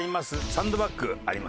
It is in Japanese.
サンドバッグありますね。